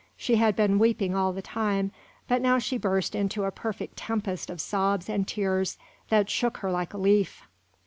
She had been weeping all the time, but now she burst into a perfect tempest of sobs and tears that shook her like a leaf.